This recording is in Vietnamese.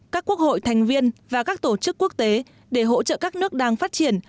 các quốc hội thành viên và các tổ chức quốc tế để hỗ trợ các nước đang phát triển